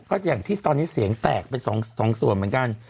ก็อย่างที่ตอนนี้เสียงแตกไปสองส่วนเหมือนกัน